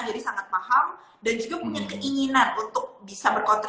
jadi sangat paham dan juga punya keinginan untuk bisa berkontribusi